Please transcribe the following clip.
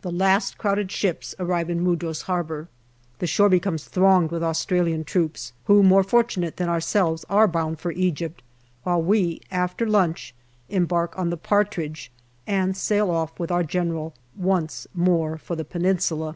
The last crowded ships arrive at Mudros Harbour. The shore becomes thronged with Australian troops, who, more fortunate than ourselves, are bound for Egypt, while we, after lunch, embark on the Partridge, and sail off with our General once more for the Peninsula.